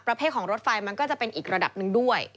ประเภทของรถไฟมันก็จะเป็นอีกระดับหนึ่งด้วย